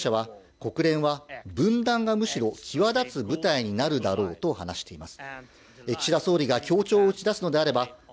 また別の外務省関係者は、国連は分断がむしろ際立つ舞台になるだろうと話しています。